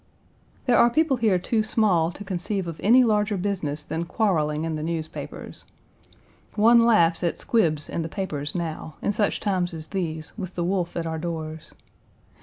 There are people here too small to conceive of any larger business than quarreling in the newspapers. One laughs at squibs in the papers now, in such times as these, with the wolf at our doors.